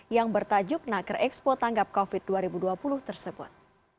yang bertajuk naker expo tanggap covid dua ribu dua puluh tersebut